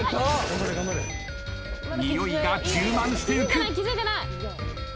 においが充満していく。